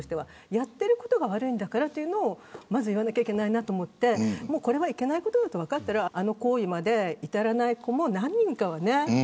やってることが悪いというのを言わなければいけないと思ってこれはいけないことだと分かっていたらあの行為まで至らない子も何人かはね。